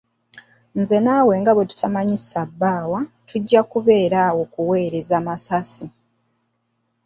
Ggwe nange nga bwe tutamanyi ssabaawa, tujja kubeera awo kuweereza masasi.